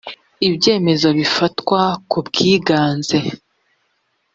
ibyemezo bifatwa ku bwiganze